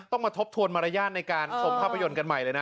มาทบทวนมารยาทในการชมภาพยนตร์กันใหม่เลยนะ